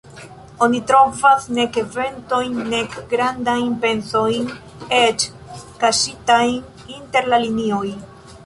Oni trovas nek eventojn, nek grandajn pensojn, eĉ kaŝitajn inter la linioj.